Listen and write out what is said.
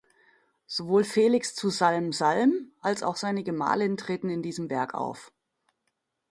Sowohl Felix zu Salm-Salm als auch seine Gemahlin treten in diesem Werk auf.